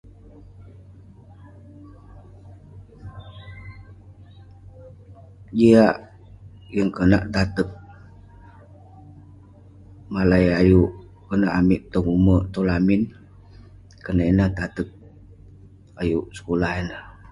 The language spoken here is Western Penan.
Jiak, yeng konak tateg. Malai ayuk konak amik tong ume', tong lamin konak ineh tateg ayuk sekulah ineh.